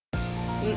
うん。